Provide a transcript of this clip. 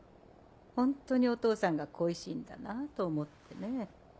本当にお父さんが恋しいんだなぁと思ってね。